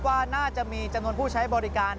ว่าน่าจะมีจำนวนผู้ใช้บริการ